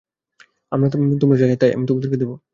আর তোমরা যা চাইবে তা-ই আমি তোমাদেরকে দেবো।